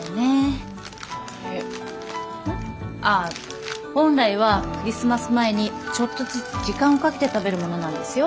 あ本来はクリスマス前にちょっとずつ時間をかけて食べるものなんですよ。